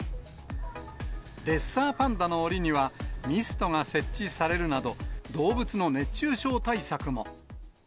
レッサーパンダのおりには、ミストが設置されるなど、動物の熱中症対策も。